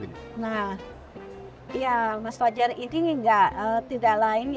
nah ya mas wajar ini tidak lain